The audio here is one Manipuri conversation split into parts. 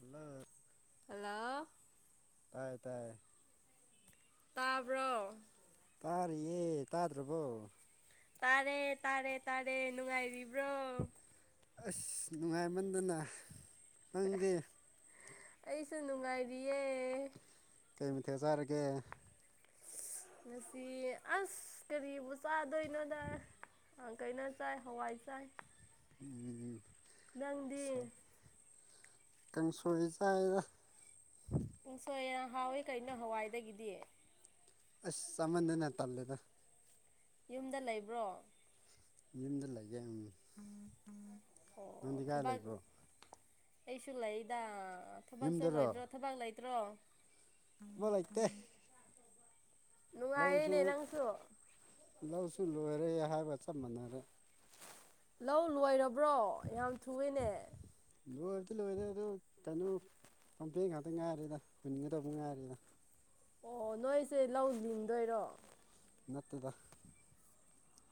ꯍꯜꯂꯣ ꯍꯜꯂꯣ ꯇꯥꯏꯌꯦ ꯇꯥꯏꯌꯦ ꯇꯥꯕ꯭ꯔꯣ ꯇꯥꯔꯤꯌꯦ ꯇꯥꯗ꯭ꯔꯕꯣ ꯇꯥꯔꯦ ꯇꯥꯔꯦ ꯇꯥꯔꯦ ꯅꯨꯡꯉꯥꯏꯔꯤꯕ꯭ꯔꯣ ꯑꯁ ꯅꯨꯡꯉꯥꯏꯃꯟꯗꯅ ꯅꯪꯗꯤ ꯑꯩꯁꯨ ꯅꯨꯡꯉꯥꯏꯔꯤꯌꯦ ꯀꯩ ꯃꯊꯦꯜꯖꯔꯒꯦ ꯉꯁꯤ ꯑꯁ ꯀꯔꯤꯕꯨ ꯆꯥꯗꯣꯏꯅꯣꯗ ꯑꯪ ꯀꯩꯅꯣ ꯆꯥꯏ ꯍꯋꯥꯏ ꯆꯥꯏ ꯎꯝ ꯅꯪꯗꯤ ꯀꯥꯡꯁꯣꯏ ꯆꯥꯏꯗ ꯀꯥꯡꯁꯣꯏꯅ ꯍꯥꯎꯋꯤ ꯀꯩꯅꯣ ꯍꯋꯥꯏꯗꯒꯤꯗꯤ ꯑꯁ ꯆꯥꯃꯟꯗꯅ ꯇꯜꯂꯦꯗ ꯌꯨꯝꯗ ꯂꯩꯕ꯭ꯔꯣ ꯌꯨꯝꯗ ꯂꯩꯌꯦ ꯎꯝ ꯎꯝ ꯑꯣ ꯅꯪꯗꯤ ꯀꯥꯏ ꯊꯕꯛ ꯂꯩꯕ꯭ꯔꯣ ꯑꯩꯁꯨ ꯂꯩꯗ ꯊꯕꯛ ꯌꯨꯝꯗꯔꯣ ꯆꯠꯂꯣꯏꯗ꯭ꯔꯣ ꯊꯕꯛ ꯂꯩꯇ꯭ꯔꯣ ꯊꯕꯛ ꯂꯩꯇꯦ ꯂꯧꯁꯨ ꯅꯨꯡꯉꯥꯏꯔꯤꯅꯦ ꯅꯪꯁꯨ ꯂꯧꯁꯨ ꯂꯣꯏꯔꯦ ꯍꯥꯏꯕꯒ ꯆꯞ ꯃꯥꯟꯅꯔꯦ ꯂꯧ ꯂꯣꯏꯔꯕ꯭ꯔꯣ ꯌꯥꯝ ꯊꯨꯑꯦꯅꯦ ꯂꯣꯏꯕꯗꯤ ꯂꯣꯏꯔꯦ ꯑꯗꯨ ꯀꯩꯅꯣ [unintelligible] ꯉꯥꯛꯇ ꯉꯥꯏꯔꯦꯗ ꯍꯨꯟꯒꯗꯕ ꯉꯥꯏꯔꯤꯗ ꯑꯣ ꯅꯣꯏꯁꯦ ꯂꯧ ꯂꯤꯡꯗꯣꯏꯔꯣ ꯅꯠꯇꯦꯗ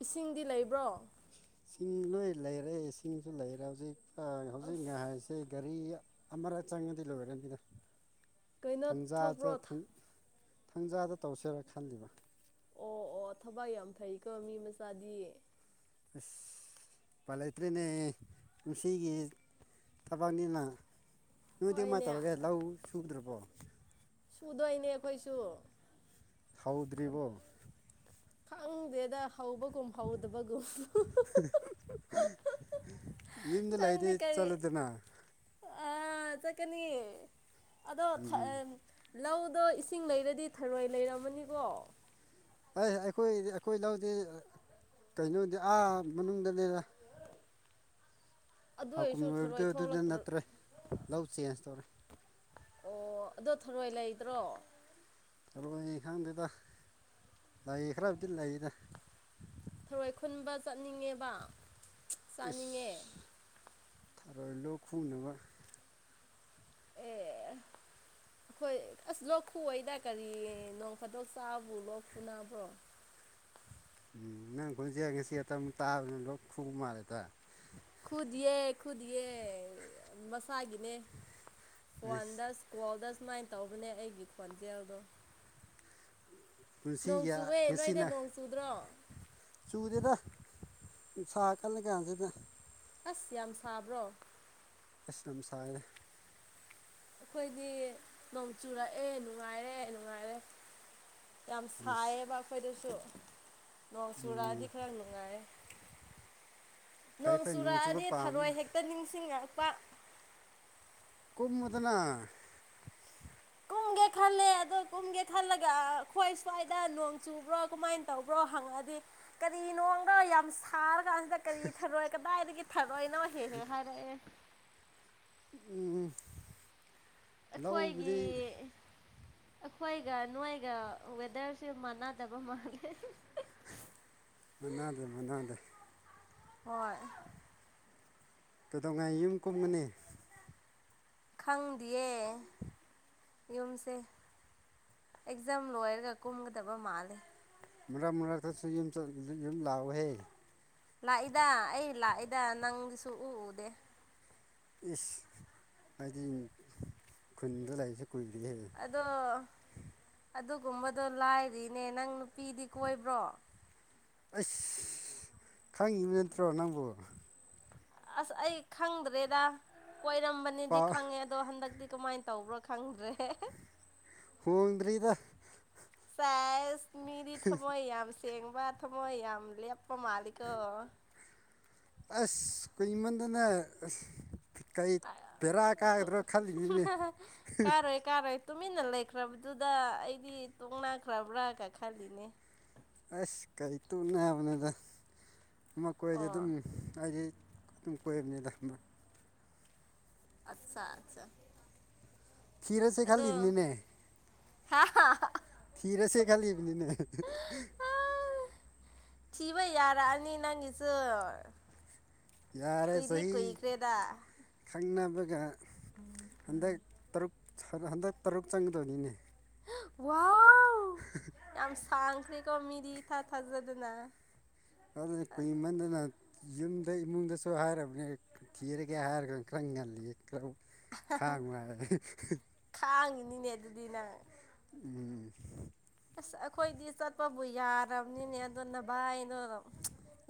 ꯏꯁꯤꯡꯗꯤ ꯂꯩꯕ꯭ꯔꯣ ꯁꯤꯡ ꯂꯣꯏ ꯂꯩꯔꯦ ꯏꯁꯤꯡꯁꯨ ꯂꯩꯔꯦ ꯍꯧꯖꯤꯛꯀ ꯍꯧꯖꯤꯛ ꯑꯁ ꯉꯥꯏ ꯁꯦ ꯒꯥꯔꯤ ꯑꯃꯔꯛ ꯆꯪꯉꯗꯤ ꯂꯣꯏꯔꯅꯤꯗ ꯀꯩꯅꯣ ꯊꯪꯖꯥꯗ ꯊꯣꯛꯄ꯭ꯔꯣ ꯊꯪ ꯊꯪꯖꯥꯗ ꯇꯧꯁꯦꯔꯥ ꯈꯜꯂꯤꯕ ꯑꯣ ꯑꯣ ꯊꯕꯛ ꯌꯥꯝ ꯐꯩꯀꯣ ꯃꯤ ꯃꯆꯥꯗꯤ ꯑꯁ ꯎꯄꯥꯜ ꯂꯩꯇ꯭ꯔꯦꯅꯦ ꯄꯨꯟꯁꯤꯒꯤ ꯊꯕꯛꯅꯤꯅ ꯅꯣꯏꯗꯤ ꯀꯃꯥꯏ ꯍꯣꯏꯅꯦ ꯇꯧꯔꯒꯦ ꯂꯧ ꯁꯨꯗ꯭ꯔꯥꯕꯣ ꯁꯨꯗꯣꯏꯅꯦ ꯑꯈꯣꯏꯁꯨ ꯍꯧꯗ꯭ꯔꯤꯕꯣ ꯈꯪꯗꯦꯗ ꯍꯧꯕꯒꯨꯝ ꯍꯧꯗꯕꯒꯨꯝ ꯌꯨꯝꯗ ꯂꯩꯗꯤ ꯆꯠꯂꯨꯗꯅ ꯑ ꯆꯠꯀꯅꯤ ꯑꯗꯣ ꯊꯥ ꯎꯝ ꯑꯦꯝ ꯂꯧꯗꯣ ꯏꯁꯤꯡ ꯂꯩꯔꯗꯤ ꯊꯔꯣꯏ ꯂꯩꯔꯝꯃꯅꯤꯀꯣ ꯑꯩ ꯑꯩꯈꯣꯏꯗꯤ ꯑꯩꯈꯣꯏ ꯂꯧꯗꯤ ꯀꯩꯅꯣꯗꯤ ꯑꯥ ꯃꯅꯨꯡꯗ ꯅꯦꯗ ꯑꯗꯨ ꯍꯥꯎꯀꯨꯝ ꯑꯣꯏꯔꯁꯨ ꯂꯣꯏꯕꯗꯨ ꯊꯔꯣꯏ ꯑꯗꯨꯗ ꯊꯣꯛꯂꯛꯇ꯭ꯔ ꯅꯠꯇ꯭ꯔꯦ ꯂꯧ ꯆꯦꯟꯖ ꯇꯧꯔꯦ ꯑꯗꫭ ꯊꯔꯣꯏ ꯂꯩꯇ꯭ꯔꯣ꯫ ꯊꯔꯣꯏ ꯈꯪꯗꯦꯗ ꯂꯩ ꯈꯔꯕꯨꯗꯤ ꯂꯩꯌꯦꯗ ꯊꯔꯣꯏ ꯈꯨꯟꯕ ꯆꯠꯅꯤꯡꯉꯦꯕ ꯆꯥꯅꯤꯡꯉꯦ ꯏꯁ ꯊꯔꯣꯏ ꯂꯣꯛ ꯈꯨꯅꯕ ꯑꯦ ꯑꯈꯣꯏ ꯑꯁ ꯂꯣꯛ ꯈꯨꯋꫭꯏꯗ ꯀꯔꯤ ꯅꯣꯡ ꯐꯥꯗꯣꯛ ꯆꯥꯕꯕꯨ ꯂꯣꯛ ꯈꯨꯨꯅꯕ꯭ꯔꯣ ꯎꯝ ꯅꯪ ꯈꯣꯟꯖꯦꯜ ꯉꯁꯤ ꯈꯠꯇꯪ ꯑꯃꯨꯛ ꯇꯥꯕꯗꯅ ꯂꯣꯛ ꯈꯨꯕ ꯃꯥꯜꯂꯦꯗ ꯈꯨꯗꯤꯌꯦ ꯈꯨꯗꯤꯌꯦ ꯃꯁꯥꯒꯤꯅꯦ ꯑꯁ ꯐꫭꯟꯗꯁ ꯀꯣꯜꯗ ꯁꯨꯃꯥꯏ ꯇꯧꯕꯅꯦ ꯑꯩꯒꯤ ꯈꯣꯟꯖꯦꯜꯗꯣ ꯅꯣꯡ ꯄꯨꯨꯡꯁꯤꯌꯥ ꯆꯨꯑꯦ ꯅꯣꯏꯗ ꯉꯁꯤꯅ ꯅꯣꯡ ꯆꯨꯗ꯭ꯔꯣ ꯆꯨꯗꯦꯗ ꯅꯨꯡꯁꯥ ꯀꯜꯂꯥ ꯀꯥꯟꯁꯤꯗ ꯑꯁ ꯌꯥꯝ ꯁꯥꯕ꯭ꯔꯣ ꯑꯁ ꯌꯥꯝ ꯁꯥꯏꯌꯦ ꯑꯩꯈꯣꯏꯗꯤ ꯅꯣꯡ ꯆꯨꯔꯛꯑꯦ ꯅꯨꯡꯉꯥꯏꯔꯦ ꯅꯨꯡꯉꯥꯏꯔꯦ ꯌꯥꯝ ꯑꯁ ꯁꯥꯏꯌꯦꯕ ꯑꯩꯈꯣꯏꯗꯁꯨ ꯅꫭꯡ ꯎꯝ ꯆꯨꯔꯛꯑꯗꯤ ꯈꯔ ꯅꯨꯡꯉꯥꯏꯌꯦ ꯐꯩ ꯅꯣꯡ ꯐꯩ ꯆꯨꯕ ꯆꯨꯔꯛꯑꯗꯤ ꯄꯥꯝꯕ ꯊꯔꯣꯏ ꯍꯦꯛꯇ ꯅꯤꯡꯁꯤꯡꯉꯛꯄ ꯀꯨꯝꯃꫭꯗꯅ ꯀꯨꯝꯒꯦ ꯈꯜꯂꯦ ꯑꯗꯣ ꯀꯨꯝꯒꯦ ꯈꯜꯂꯒ ꯑꯩꯈꯣꯏ ꯁ꯭ꯋꯥꯏꯗ ꯅꫭꯡ ꯆꯨꯕ꯭ꯔꯣ ꯀꯃꯥꯏ ꯇꯧꯕ꯭ꯔꯣ ꯍꯪꯉꯛꯑꯗꯤ ꯀꯔꯤꯅꯣꯝꯒ ꯌꯥꯝ ꯁꯥꯔꯒ ꯗ ꯀꯔꯤ ꯊꯔꯣꯏ ꯀꯗꯥꯏꯗꯒꯤ ꯊꯔꯣꯏꯅꯣ ꯍꯦ ꯍꯦ ꯍꯥꯏꯔꯛꯑꯦ ꯎꯝ ꯂꯧ ꯑꯩꯈꯣꯏꯒꯤ ꯎꯕꯗꯤ ꯑꯩꯈꯣꯏꯒ ꯅꯣꯏꯒ ꯋꯦꯗꯔꯁꯨ ꯃꯥꯟꯅꯗꯕ ꯃꯥꯜꯂꯦ ꯃꯅꯥꯗꯦ ꯃꯅꯥꯗꯦ ꯍꯣꯏ ꯀꯩꯗꯧꯉꯩ ꯌꯨꯝ ꯀꯨꯝꯒꯅꯤ ꯈꯪꯗꯤꯌ‌ꯦ ꯌꯨꯝꯁꯦ ꯑꯦꯛꯖꯥꯝ ꯂꯣꯏꯔꯒ ꯀꯨꯝꯒꯗꯕ ꯃꯥꯜꯂꯦ ꯃꯔꯛ ꯃꯔꯛꯇꯁꯨ ꯌꯨꯝ ꯆꯠ ꯌꯨꯝ ꯂꯥꯛꯑꯣꯍꯦ ꯂꯥꯛꯏꯗ ꯑꯩ ꯂꯥꯛꯏꯗ ꯅꯪ ꯁꯨꯛꯎ ꯎꯗꯦ꯫ ꯏꯁ ꯍꯥꯏꯗꯤ ꯈꯨꯟꯗ ꯂꯩꯔꯤꯁꯦ ꯀꯨꯏꯔꯦꯍꯦ ꯑꯗꯣ ꯑꯗꯨꯒꯨꯝꯕꯗꯣ ꯂꯥꯏꯔꯤꯅꯦ ꯅꯪ ꯅꯨꯄꯤꯗꯤ ꯀꯣꯏꯕ꯭ꯔꯣ ꯑꯁ ꯈꯪꯉꯤꯕ ꯅꯠꯇ꯭ꯔꯣ ꯅꯪꯕꯨ ꯑꯁ ꯑꯩ ꯈꯪꯗ꯭ꯔꯦꯗ ꯀꫭꯏꯔꯝꯕꯅꯦꯗꯤ ꯄꯥꯎ ꯈꯪꯉꯦ ꯑꯗꯨ ꯑꯗꯣ ꯍꯟꯗꯛꯇꯤ ꯀꯃꯥꯏ ꯇꯧꯕ꯭ꯔꯣ ꯈꯪꯗ꯭ꯔꯦ ꯍꯣꯡꯗ꯭ꯔꯤꯗ ꯁꯦꯁ ꯃꯤꯗꯤ ꯊꯝꯃꯣꯏ ꯌꯥꯝ ꯁꯦꯡꯕ ꯊꯝꯃꯣꯏ ꯌꯥꯝ ꯂꯦꯞꯄ ꯃꯥꯜꯂꯤꯀꯣ ꯑꯁ ꯀꯨꯏꯃꯟꯗꯅ ꯑꯁ ꯀꯩ ꯕꯦꯔꯥ ꯀꯥꯒꯗ꯭ꯔꯣ ꯈꯜꯂꯤꯅꯤꯅꯦ ꯀꯥꯔꯣꯏ ꯀꯥꯔꯣꯏ ꯇꯨꯃꯤꯟꯅ ꯂꯩꯈ꯭ꯔꯕꯗꯨꯗ ꯑꯩꯗꯤ ꯇꯨꯛꯅꯥꯈ꯭ꯔꯕ꯭ꯔꯥꯒ ꯈꯜꯂꯤꯅꯦ ꯑꯁ ꯀꯔꯤ ꯇꯨꯛꯅꯕꯅꯣꯗ ꯑꯃ ꯀꯣꯏꯔꯗꯤ ꯑꯗꯨꯝ ꯑꯣ ꯑꯩꯗꯤ ꯇꯨꯝꯝ ꯀꯣꯏꯕꯅꯤꯗ ꯑꯃ ꯑꯠꯁꯥ ꯑꯆꯥ ꯊꯤꯔꯁꯦ ꯑꯗꯣ ꯈꯜꯂꯤꯕꯅꯤꯅꯦ ꯍꯥ ꯊꯤꯔꯁꯦ ꯈꯟꯂꯤꯕꯅꯤꯅ‌ꯦ ꯑꯥ ꯊꯤꯕ ꯌꯥꯔꯛꯑꯅꯤ ꯅꯪꯒꯤꯆꯨ ꯌꯥꯔꯦ ꯀꯨꯏꯗꯤ ꯆꯍꯤ ꯀꯨꯏꯈ꯭ꯔꯦꯗ ꯈꯪꯅꯕꯒ ꯍꯟꯗꯛ ꯇꯔꯨꯛ ꯁꯅ ꯍꯟꯗꯛ ꯇꯔꯨꯛ ꯆꯪꯒꯗꯣꯏꯅꯤꯅꯦ ꯋꯥꯎ [unintelligible] ꯌꯥꯝ ꯁꯥꯡꯈꯔ‌ꯦꯀꯣ ꯃꯤꯗꯤ ꯏꯊꯥ ꯊꯥꯖꯗꯅ ꯑꯗꯨꯅ‌ꯦ ꯀꯨꯏꯃꯟꯗꯅ ꯌꯨꯝꯗ ꯏꯃꯨꯡꯗꯁꯨ ꯍꯥꯏꯔꯕꯅꯦ ꯊꯤꯔꯒꯦ ꯍꯥꯏꯔꯒ ꯈꯔ ꯉꯜꯂꯤꯌꯦ ꯈꯔ ꯈꯥꯡꯉꯨ ꯍꯥꯏ ꯈꯥꯡꯉꯤꯅꯤꯅꯦ ꯑꯗꯨꯗꯤ ꯅꯪ ꯎꯝ ꯑꯁ ꯑꯈꯣꯏꯗꯤ ꯆꯠꯄꯕꯨ ꯌꯥꯔꯕꯅꯤꯅꯦ ꯑꯗꯨ ꯅꯕꯥꯏꯗꯣ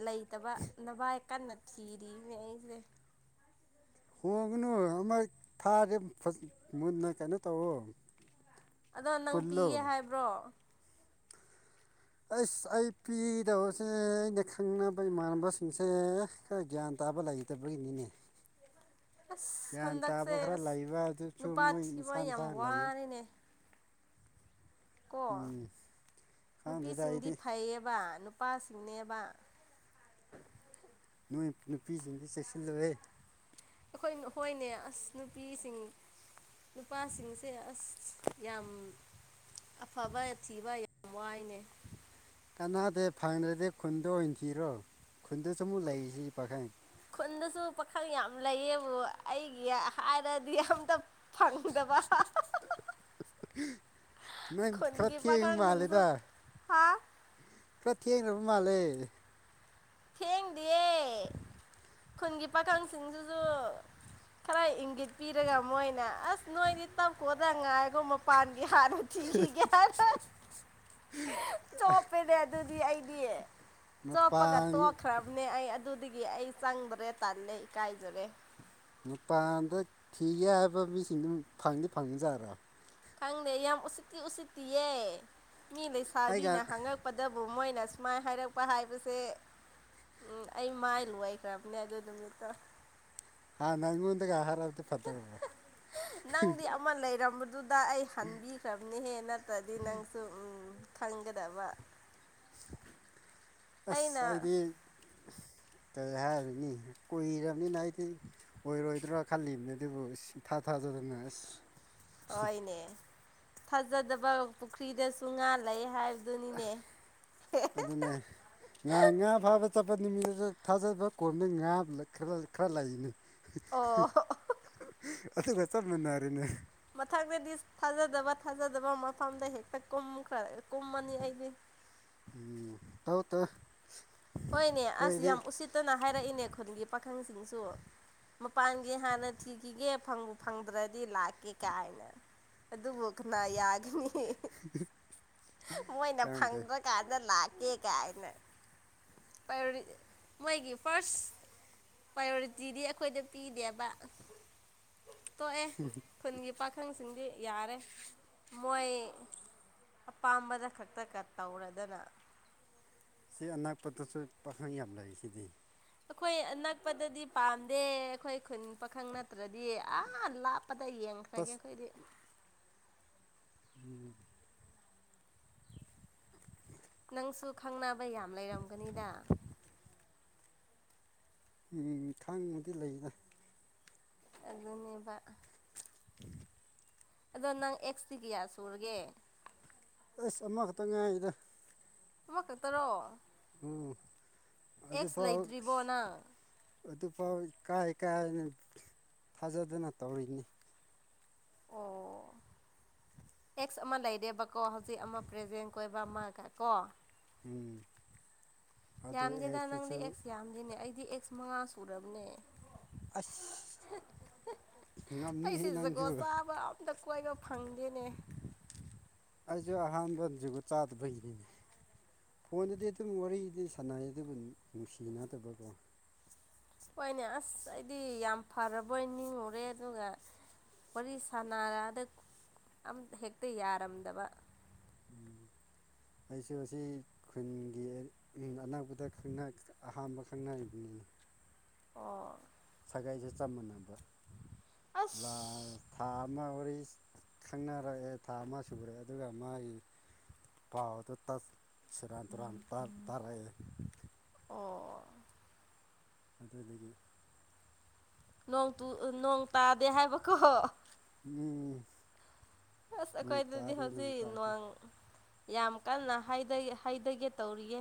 ꯂꯩꯇꯕ ꯅꯕꯥꯏ ꯀꯟꯅ ꯊꯤꯔꯤꯅꯦ ꯑꯩꯖꯦ ꯍꯣꯡꯉꯨꯅꯨ ꯑꯃ ꯊꯥꯔꯦ ꯐꯖ ꯃꯨꯟꯅ ꯀꯩꯅꯣ ꯇꯧꯋꫭ ꯑꯗꯣ ꯅꯪ ꯄꯤꯒꯦ ꯍꯥꯏꯕ꯭ꯔꯣ ꯑꯩꯁ ꯑꯩ ꯄꯤꯗꯧꯁꯦ ꯑꯩꯅ ꯈꯪꯅꯕ ꯏꯃꯥꯟꯅꯕꯁꯤꯡꯁꯦ ꯈ ꯒ꯭ꯌꯥꯟ ꯇꯥꯕ ꯂꯩꯇꯕꯩꯅꯤꯅꯦ ꯑꯁ ꯒ꯭ꯌꯥꯟ ꯍꯟꯗꯛꯁꯦ ꯇꯥꯕ ꯈꯔ ꯑꯁ ꯂꯩꯕ ꯑꯗꯨꯆꯨ ꯅꯨꯄꯥ ꯃꯣꯏ ꯃꯁꯥ ꯊꯤꯕ ꯃꯁꯥ ꯌꯥꯝ ꯂꯩꯌꯦ ꯋꯥꯔꯦꯅꯦ ꯀꯣ ꯎꯝ ꯈꯪꯗꯦꯗ ꯅꯨꯄꯤꯁꯤꯡꯗꯤ ꯑꯩꯗꯤ ꯐꯩꯌꯦꯕ ꯅꯨꯄꯥꯁꯤꯡꯅꯦꯕ ꯅꫭꯏ ꯅꯨꯄꯤꯁꯤꯡꯗꯤ ꯆꯦꯛꯁꯤꯜꯂꯨꯍ‌ꯦ ꯑꯈꯣꯏ ꯍꯣꯏꯅꯦ ꯑꯁ ꯅꯨꯄꯤꯁꯤꯡ ꯅꯨꯄꯥꯁꯤꯡꯁꯦ ꯑꯁ ꯌꯥꯝ ꯑꯐꯕ ꯊꯤꯕ ꯌꯥꯝ ꯋꯥꯏꯅꯦ ꯀꯅꯥꯗꯦ ꯐꯪꯗ꯭ꯔꯗꯤ ꯈꯨꯟꯗ ꯑꯣꯏꯟ ꯊꯤꯔꯣ ꯈꯨꯟꯗꯁꯨ ꯑꯃꯨꯛ ꯂꯩꯔꯤꯁꯤ ꯄꯥꯈꯪ ꯈꯨꯟꯗꯁꯨ ꯄꯥꯈꯪ ꯌꯥꯝ ꯂꯩꯌꯦꯕꯨ ꯑꯩꯒꯤ ꯍꯥꯏꯔꯗꯤ ꯑꯝꯇ ꯐꯪꯗꯕ ꯅꯪ ꯈꯔ ꯈꯨꯟꯒꯤ ꯊꯦꯡꯕ ꯄꯈꯪ ꯁꯤꯡꯁꯨ ꯃꯥꯜꯂꯦꯗ ꯍꯥꯥ ꯈꯔ ꯊꯦꯡꯒ꯭ꯔꯕ ꯃꯥꯜꯂꯦ ꯊꯦꯡꯗ‌‌ꯦꯌꯦ ꯈꯨꯟꯒꯤ ꯄꯥꯈꯪꯁꯤꯡ ꯖꯨ [inaudible] ꯈꯔ ꯏꯪꯒꯤꯠ ꯄꯤꯔꯒ ꯃꯣꯏꯅ ꯑꯁ ꯅꯣꯏꯗꯤ ꯇꯞꯈꯣꯗ ꯉꯥꯏꯈꯣ ꯃꯄꯥꯟꯒꯤ ꯍꯥꯟꯅ ꯊꯤꯈꯤꯒꯦ ꯍꯥꯏꯅ [unintelligible] ꯆꯣꯞꯄꯦꯅꯦ ꯑꯗꯨꯗꯤ ꯑꯩꯗꯤ ꯆꯣꯞꯄꯒ ꯃꯄꯥꯟ ꯇꯣꯛꯈ꯭ꯔꯝꯅꯦ ꯑꯩ ꯑꯠ ꯑꯗꯨꯗꯒꯤ ꯑꯩ ꯆꯪꯗ꯭ꯔꯦ ꯇꯜꯂꯦ ꯏꯀꯥꯏꯖꯔꯦ ꯃꯄꯥꯟꯗ ꯊꯤꯒꯦ ꯍꯥꯏꯕ ꯃꯤꯁꯤꯡꯗꯨ ꯐꯪꯗꯤ ꯐꯪꯖꯥꯔꯥ ꯈꯪꯗꯦ ꯌꯥꯝ ꯎꯁꯤꯠꯇꯤ ꯎꯁꯤꯠꯇꯤꯌꯦ ꯃꯤ ꯑꯩꯒ ꯂꯩꯁꯥꯕꯤꯅ ꯍꯪꯉꯛ ꯄꯗꯕꯨ ꯃꯣꯏꯅ ꯁꯨꯃꯥꯏ ꯍꯥꯏꯔꯛꯄ ꯍꯥꯏꯕꯁꯦ ꯎꯝ ꯑꯩ ꯃꯥꯏ ꯂꯣꯏꯈ꯭ꯔꯕꯅꯦ ꯑꯗꯨ ꯅꯨꯃꯤꯠꯇꯣ ꯍꯟꯅꯥ ꯑꯩꯉꯣꯟꯗꯒꯥ ꯍꯥꯏꯔꯛꯑꯗꯤ ꯐꯗꯧꯕ ꯅꯪꯗꯤ ꯑꯃ ꯂꯩꯔꯝꯕꯗꯨꯗ ꯑꯩ ꯍꯟꯕꯤꯈ꯭ꯔꯕꯅꯤꯍꯦ ꯅꯠꯇ꯭ꯔꯗꯤ ꯅꯪꯁꯨ ꯎꯝ ꯈꯪꯒꯗꯕ ꯑꯩꯅ ꯑꯁ ꯑꯩꯗꯤ [inaudible] ꯀꯩ ꯍꯥꯏꯔꯨꯅꯤ ꯀꯨꯏꯔꯕꯅꯤꯅ ꯑꯩꯗꯤ ꯑꯣꯏꯔꯣꯏꯗ꯭ꯔꯥ ꯈꯜꯂꯤꯕꯅꯦ ꯑꯗꯨꯕꯨ ꯏꯊꯥ ꯊꯥꯖꯗꯅ ꯑꯁ ꯍꯣꯏꯅꯦ ꯊꯥꯖꯗꯕ ꯄꯨꯈ꯭ꯔꯤꯗꯁꯨ ꯉꯥ ꯂꯩ ꯍꯥꯏ ꯑꯗꯨꯅꯦ ꯉꯥ ꯉꯥ ꯐꯥꯕ ꯆꯠꯄ ꯅꯨꯃꯤꯠꯇ ꯊꯥꯖꯕ ꯀꯣꯝꯗ ꯉꯥ ꯈ ꯈꯔ ꯂꯩꯕꯅꯤ ꯑꯣ ꯑꯗꯨꯒ ꯆꯞꯃꯟꯅꯔꯤꯅꯦ ꯃꯊꯪꯛꯇꯗꯤ ꯊꯥꯖꯗꯕ ꯊꯥꯖꯗꯕ ꯃꯐꯝꯗ ꯍꯦꯛꯇ ꯀꯨꯝꯈ꯭ꯔ ꯀꯨꯝꯃꯅꯤ ꯑꯩꯗꯤ ꯎꯝ ꯇꯧꯇꯧ ꯍꯣꯏꯅꯦ ꯑꯁ ꯌꯥꯝ ꯎꯁꯤꯠꯇꯅ ꯍꯥꯏꯔꯛꯏꯅꯦ ꯈꯨꯟꯒꯤ ꯄꯥꯈꯪꯁꯤꯡꯁꯨ ꯃꯄꯥꯟꯒꯤ ꯍꯥꯟꯅ ꯊꯤꯈꯤꯒꯦ ꯐꯪ ꯐꯪꯗ꯭ꯔꯗꯤ ꯂꯥꯛꯀꯦ ꯀꯥꯏꯅ ꯑꯗꯨꯕꯨ ꯀꯅꯥ ꯌꯥꯒꯅꯤ ꯃꯣꯏꯅ ꯈꯪꯗꯦ ꯐꯪꯗ꯭ꯔꯥꯀꯥꯟꯗ ꯂꯥꯛꯀꯦ ꯀꯥꯏꯅ ꯄꯔꯤ ꯃꯣꯏꯒꯤ ꯐꯥꯔꯁ ꯄ꯭ꯔꯥꯏꯌꯣꯔꯤꯇꯤꯗꯤ ꯑꯩꯈꯣꯏꯗ ꯄꯤꯗꯦꯕ ꯇꯣꯛꯑꯦ ꯈꯨꯟꯒꯤ ꯄꯥꯈꯪꯁꯤꯡꯗꯤ ꯌꯥꯔꯦ ꯃꯣꯏ ꯑꯄꯥꯝꯕ ꯈꯛꯇꯒ ꯇꯧꯔꯗꯅ ꯁꯤ ꯑꯅꯥꯛꯄꯗꯁꯨ ꯄꯥꯈꯪ ꯌꯥꯝ ꯂꯩ ꯁꯤꯗꯤ ꯑꯩꯈꯣꯏ ꯑꯅꯛꯄꯗꯗꯤ ꯄꯥꯝꯗꯦ ꯑꯩꯈꯣꯏ ꯈꯨꯟ ꯄꯥꯈꯪ ꯅꯠꯇ꯭ꯔꯗꯤ ꯑꯥ ꯂꯥꯞꯄꯗ ꯌꯦꯡꯉ ꯈꯔ꯭ꯒꯦ ꯇꯁ ꯑꯈꯣꯏꯗꯤ ꯎꯝ ꯅꯪꯁꯨ ꯈꯪꯅꯕ ꯌꯥꯝ ꯂꯩꯔꯝꯒꯅꯤꯅ ꯎꯝ ꯈꯪꯕꯗꯤ ꯂꯩꯗ ꯑꯗꯨꯅꯦꯕ ꯑꯗꯧ ꯅꯪ ꯑꯦꯛꯁꯇꯤ ꯀꯌꯥ ꯁꯨꯔꯒꯦ ꯑꯁ ꯑꯃꯈꯛꯇ ꯉꯥꯏꯔꯤꯗ ꯑꯃ ꯈꯛꯇꯔꯣ ꯎꯝ ꯑꯗꯨꯐꯥꯎ ꯂꯩꯇ꯭ꯔꯤꯕꯣ ꯅꯪ ꯑꯗꯨꯐꯥꯎ ꯏꯀꯥꯏ ꯢꯀꯥꯏꯅ ꯊꯥꯖꯗꯅ ꯇꯧꯔꯛꯢꯅꯤ ꯑꯣ ꯑꯦꯛꯁ ꯑꯃ ꯂꯩꯔꯦꯕꯀꯣ ꯍꯧꯖꯤꯛ ꯑꯃ ꯄ꯭ꯔꯖꯦꯟ ꯀꯣꯏꯕ ꯑꯃꯒ ꯀꯣ ꯎꯝ ꯑꯗꯨ ꯌꯥꯝꯗꯦꯗ ꯅꯪꯗꯤ ꯑꯦꯛꯇꯨꯁꯨ ꯑꯦꯛꯁ ꯌꯥꯝꯗꯦꯅꯦ ꯑꯩꯗꯤ ꯑꯦꯛꯁ ꯃꯉꯥ ꯁꯨꯔꯕꯅꯦ ꯑꯩꯁ ꯑꯩꯁꯦ ꯖꯨꯒꯣꯠ ꯆꯥꯕ ꯑꯝꯇ ꯀꯣꯏꯕ ꯐꯪꯗꯦꯅꯦ [inaudible] ꯑꯩꯁꯨ ꯑꯍꯥꯟꯕ ꯖꯨꯒꯣꯠ ꯆꯥꯗꯕꯩꯅꯤ ꯐꯣꯟꯗꯗꯤ ꯑꯗꯨꯝ ꯋꯥꯔꯤꯗꯤ ꯁꯥꯟꯅꯩ ꯑꯗꯨꯕꯨ ꯅꯨꯡꯁꯤꯅꯗꯕꯀꯣ ꯍꯣꯏꯅꯦ ꯑꯁ ꯑꯩꯗꯤ ꯌꯥꯝ ꯐꯔꯕꯣꯢ ꯅꯤꯡꯉꯨꯔꯦ ꯑꯗꯨꯒ ꯋꯥꯔꯤ ꯁꯥꯅꯔꯑꯗꯠ ꯑꯝꯇ ꯍꯦꯛꯇ ꯌꯥꯔꯝꯗꯕ ꯎꯝ [inaudible] ꯑꯩꯁꯨ ꯑꯁꯤ ꯈꯨꯟꯒꯤ ꯑꯅꯛꯄꯗ ꯈꯪꯅ ꯑꯍꯥꯝꯕ ꯈꯪꯅꯔꯤꯕꯅꯤꯅꯦ ꯑꯣ ꯁꯥꯒꯩꯏꯁꯦ ꯆꯞ ꯃꯥꯟꯅꯕ ꯑꯁ ꯂꯥꯁ ꯊꯥ ꯑꯃ ꯋꯥꯔꯤ ꯈꯪꯅꯔꯛꯑꯦ ꯊꯥ ꯑꯃ ꯁꯨꯔꯦ ꯑꯗꯨꯒ ꯃꯥꯒꯤ ꯄꯥꯎꯗꯨ ꯇꯠ ꯁꯔꯥꯟ ꯇꯨꯔꯥꯟ ꯇ ꯇꯥꯔꯛꯑꯦ ꯑꯣ ꯑꯣ ꯑꯗꯕꯤꯒꯤ ꯅꯣꯡꯇꯨ ꯑ ꯅꯣꯡ ꯇꯥꯗꯦ ꯍꯥꯏꯕꯀꯣ ꯎꯝ ꯑꯁ ꯅꯣꯡ ꯑꯩꯈꯣꯏꯗꯨꯗꯤ ꯇꯥꯗꯦ ꯅꯣꯡ ꯍꯧꯖꯤꯛ ꯇꯥꯗꯦ ꯅ‍꯭ꯋꯥꯡ ꯌꯥꯝ ꯀꯟꯅ ꯍꯩꯗꯩ ꯍꯩꯗꯒꯦ ꯇꯧꯔꯤꯌꯦ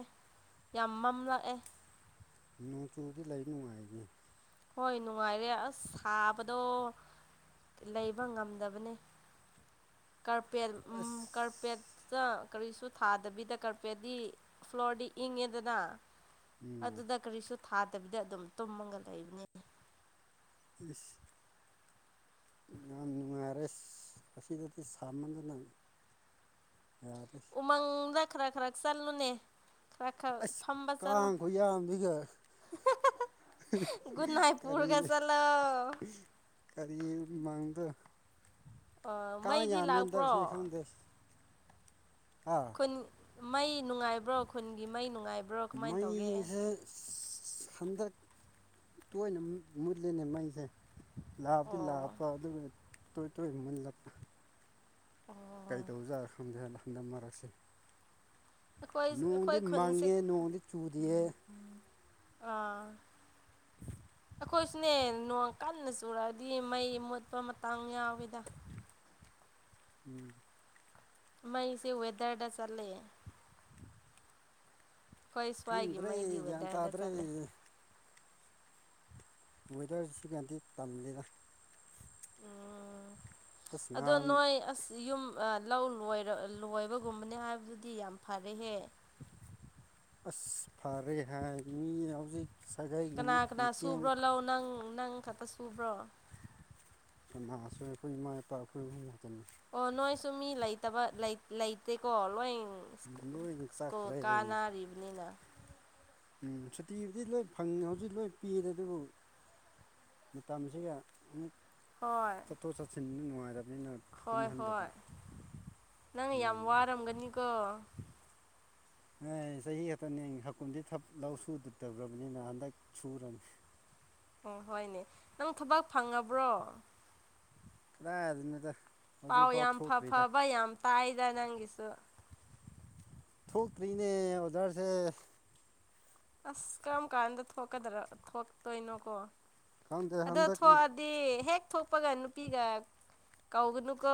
ꯌꯥꯝ ꯃꯝꯂꯛꯑꯦ ꯅꯣꯡꯆꯨꯕꯗꯤ ꯂꯩ ꯅꯨꯡꯉꯥꯏꯅꯤ ꯍꯣꯏ ꯅꯨꯡꯉꯥꯏꯔꯦ ꯑꯁ ꯁꯥꯕꯗꯣ ꯂꯩꯕ ꯉꯝꯗꯕꯅꯦ ꯀꯥꯔꯄꯦꯟ ꯑꯁ ꯎꯝ ꯀꯥꯔꯄꯦꯠꯇ ꯀꯔꯤꯁꯨ ꯊꯥꯗꯕꯤꯗ ꯀꯥꯔꯄꯦꯠꯇꯤ ꯐ꯭ꯂꯣꯔꯗꯤ ꯏꯪꯉꯦꯗꯅ ꯎꯝ ꯑꯗꯨꯗ ꯀꯔꯤꯁꯨ ꯊꯥꯗꯕꯤꯗ ꯑꯗꯨꯝ ꯇꯨꯝꯃꯒ ꯂꯩꯕꯅꯦ ꯏꯁ ꯌꯥꯝ ꯅꯨꯡꯉꯥꯏꯔꯤꯁ ꯑꯁꯤꯗꯗꯤ ꯁꯥꯃꯟꯗꯅ ꯌꯥꯗꯦ ꯃꯪꯗ ꯈꯔ ꯈꯔ ꯆꯜꯂꯨꯅꯦ ꯈꯔ ꯈꯔ ꯑꯁ ꯐꯝꯕ ꯆꯠꯂꯣ ꯀꯥꯡ ꯈꯨꯌꯥꯝꯁꯤꯒ ꯒꯨꯠꯅꯥꯏꯠ ꯄꯨꯔꯒ ꯆꯠꯂꯣ ꯀꯔꯤꯒꯤ ꯃꯪꯗ ꯇꯥ ꯃꯩꯗꯤ ꯌꯥꯝꯔꯦꯗ ꯂꯥꯛꯄ꯭ꯔꯣ ꯑꯁꯤ ꯈꯪꯗꯦ ꯍꯥ ꯈꯨꯟ ꯃꯩ ꯅꯨꯡꯉꯥꯏꯕ꯭ꯔꯣ ꯈꯨꯟꯒꯤ ꯃꯩ ꯅꯨꯡꯉꯥꯏꯕ꯭ꯔꯣ ꯀꯃꯥꯏꯟ ꯇꯧꯒꯦ ꯃꯩꯁꯦ ꯍꯟꯗꯛ ꯇꯣꯏꯅ ꯃꯨꯠ ꯃꯨꯠꯂꯤꯅꯦ ꯃꯩꯖꯦ ꯂꯥꯑꯕꯗꯤ ꯑꯣ ꯂꯥꯑꯄ ꯑꯗꯨꯒꯤ ꯇꯣꯏ ꯇꯣꯏ ꯃꯨꯠꯂꯞꯄ ꯑꯣ ꯀꯩ ꯗꯧꯖꯥꯠꯂ ꯈꯪꯗꯦ ꯍꯟꯗꯛ ꯃꯔꯛꯁꯦ ꯑꯩꯈꯣꯏ ꯅꯣꯡꯗꯤ ꯑꯩꯈꯣꯏ ꯈꯨꯟꯁꯦ ꯃꯪꯉꯦ ꯅꯣꯡꯗꯤ ꯆꯨꯗꯤꯌꯦ ꯑꯥ [unintelligible] ꯑꯩꯈꯣꯏꯁꯨꯅꯦ ꯅꯣꯡ ꯀꯟꯅ ꯆꯨꯔꯛꯑꯗꯤ ꯃꯩ ꯃꯨꯠꯄ ꯃꯇꯥꯡ ꯌꯥꯎꯋꯤꯗ ꯎꯝ ꯃꯩꯁꯦ ꯋꯦꯗꯔꯗ ꯆꯠꯂꯦ ꯑꯩꯈꯣꯏ ꯁ꯭ꯋꯥꯏꯒꯤ ꯈꯪꯗ꯭ꯔꯦ ꯃꯩꯗꯤ ꯒ꯭ꯌꯥꯟ ꯋꯦꯗꯔꯗ ꯇꯥꯗ꯭ꯔꯦ ꯆꯠꯂꯦ ꯋꯦꯗꯔꯁꯤ ꯒꯗꯤ ꯇꯜꯂꯤꯗ ꯎꯝ ꯑꯁ ꯑꯗꯣ ꯉꯍꯥꯟ ꯅꯣꯏ ꯑꯁ ꯌꯨꯝ ꯑ ꯂꯧ ꯂꯣꯏꯔ ꯂꯣꯏꯕꯒꯨꯝꯕꯅꯦ ꯍꯥꯏꯕꯗꯨꯗꯤ ꯌꯥꯝ ꯐꯔꯦꯍꯦ ꯑꯁ ꯐꯔꯦ ꯍꯥꯏ ꯃꯤ ꯍꯧꯖꯤꯛ ꯁꯥꯒꯩꯒꯤ ꯀꯅꯥ ꯑꯃꯨꯛ ꯀꯅꯥ ꯃꯇꯦꯡ ꯁꯨꯕ꯭ꯔꯣ ꯂꯧ ꯅꯪ ꯅꯪ ꯈꯛꯇ ꯁꯨꯕ꯭ꯔꯣ ꯀꯅꯥꯁꯨꯏ ꯑꯩꯈꯣꯏ ꯏꯃꯥ ꯏꯄꯥ ꯑꯩꯈꯣꯏ ꯑꯍꯨꯝ ꯃꯠꯇꯅꯦ ꯑꯣ ꯅꯣꯏꯁꯨꯨ ꯃꯤ ꯂꯩꯇꯕ ꯂꯩ ꯂꯩꯇꯦꯀꯣ ꯂꯣꯏꯟ ꯂꯣꯏ ꯁ꯭ꯀꯨꯜ ꯆꯠꯈ꯭ꯔꯦ ꯀꯥꯅꯔꯤꯕꯅꯤꯅ ꯎꯝ ꯁꯨꯇꯤꯕꯨꯗꯤ ꯂꯣꯏ ꯐꯪ ꯍꯧꯖꯤꯛ ꯂꯣꯏ ꯄꯤꯔꯦ ꯑꯗꯨꯕꯨ ꯃꯇꯝꯁꯤꯒ ꯑꯃꯨꯛ ꯍꯣꯏ ꯆꯠꯊꯣꯛ ꯆꯠꯁꯤꯟꯗꯨ ꯅꯨꯡꯉꯥꯏꯗꯕꯅꯤꯅ ꯍꯣꯏ ꯍꯣꯏ ꯅꯪ ꯌꯥꯝ ꯑꯗꯨꯒꯤꯅꯤꯗ ꯋꯥꯔꯝꯒꯅꯤꯀꯣ ꯅ ꯆꯍꯤ ꯈꯇꯅꯤ ꯍꯥꯀꯨꯨꯝꯗꯤ ꯊ ꯂꯧ ꯁꯨꯗꯗ꯭ꯔꯕꯅꯤꯅ ꯍꯟꯗꯛ ꯁꯨꯔꯅꯤ ꯑꯣ ꯍꯣꯏꯅꯦ ꯅꯪ ꯊꯕꯛ ꯐꯪꯉꯕ꯭ꯔꯣ ꯀꯗꯥꯏꯗꯩꯩꯅꯣꯗ ꯄꯥꯎ ꯌꯥꯝ ꯐ ꯐꯕ ꯌꯥꯝ ꯇꯥꯏꯗ ꯅꯪꯒꯤꯁꯨ ꯊꯣꯛꯇ꯭ꯔꯤꯅꯦ ꯑꯣꯗꯔꯁꯦ ꯑꯁ ꯀꯔꯝ ꯀꯥꯟꯗ ꯊꯣꯛꯀꯗ꯭ꯔ ꯊꯣꯛꯇꯣꯏꯅꯣꯀꯣ ꯈꯪꯗꯦ ꯑꯗꯣ ꯍꯟꯗꯛ ꯊꯣꯛꯑ ꯗꯤ ꯍꯦꯛ ꯊꯣꯛꯄꯒ ꯅꯨꯄꯤꯒ ꯀꯧꯒꯅꯨꯀꯣ